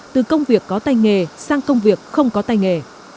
từ công việc có tay nghề sang công việc không có tay nghề